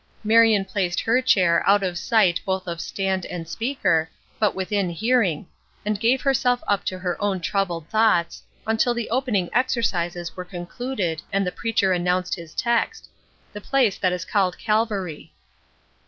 Marion placed her chair out of sight both of stand and speaker, but within hearing, and gave herself up to her own troubled thoughts, until the opening exercises were concluded and the preacher announced his text: "The place that is called Calvary."